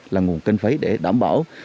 là nguồn kinh phí để đảm bảo